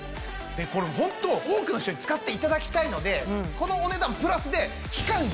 これホント多くの人に使っていただきたいのでこのお値段プラスで。